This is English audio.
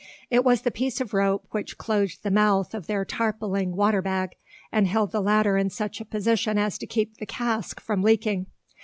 It was the piece of rope which closed the mouth of their tarpauling water bag, and held the latter in such a position as to keep the "cask" from leaking.